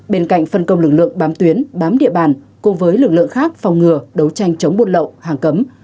bên cạnh phân công lực lượng bám tuyến bám địa bàn cùng với lực lượng khác phòng ngừa đấu tranh chống buôn lậu hàng cấm